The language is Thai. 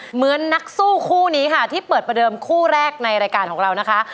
เหมือนนักสู้คู่นี้ค่ะที่เปิดประเดิมคู่แรกในรายการของเรานะคะ